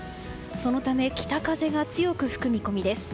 そのため北風が強く吹く見込みです。